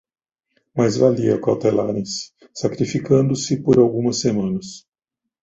Mais valia acautelarem-se, sacrificando-se por algumas semanas.